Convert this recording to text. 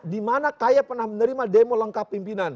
di mana kay pernah menerima demo lengkap pimpinan